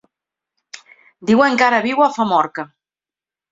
Diuen que ara viu a Famorca.